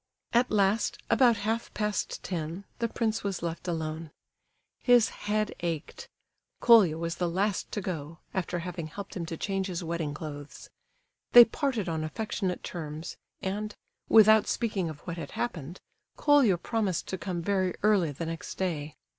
At last, about half past ten, the prince was left alone. His head ached. Colia was the last to go, after having helped him to change his wedding clothes. They parted on affectionate terms, and, without speaking of what had happened, Colia promised to come very early the next day.